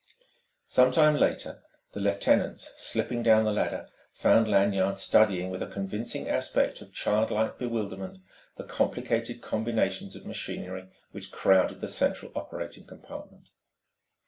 Some time later the lieutenant, slipping down the ladder, found Lanyard studying with a convincing aspect of childlike bewilderment the complicated combinations of machinery which crowded the central operating compartment.